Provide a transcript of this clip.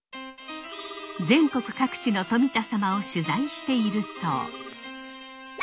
全国各地のトミタサマを取材していると。